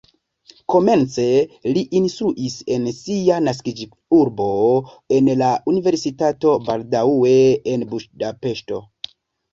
Komence li instruis en sia naskiĝurbo en la universitato, baldaŭe en Budapeŝto.